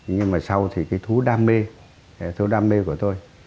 nhưng mà sau thì cái thú đam mê thú đam mê của tôi